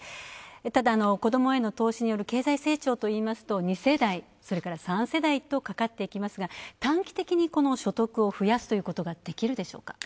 ただ、子どもへの投資による経済成長といいますと２世代、それから３世代とかかってきますが短期的に、所得を増やすということができるでしょうか？